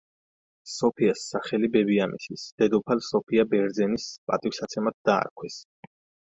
სოფიას სახელი ბებიამისის, დედოფალ სოფია ბერძენის პატივსაცემად დაარქვეს.